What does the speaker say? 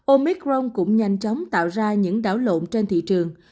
omicron cũng nhanh chóng tạo ra những đảo lộn trên thị trường